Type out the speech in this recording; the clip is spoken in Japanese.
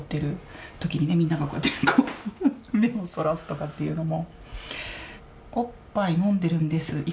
みんながこうやってこう目をそらすとかっていうのも。